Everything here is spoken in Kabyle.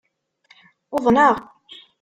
Uḍneɣ.